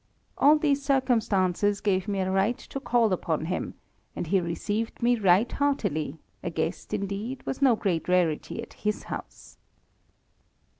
All these circumstances gave me a right to call upon him, and he received me right heartily, a guest, indeed, was no great rarity at his house.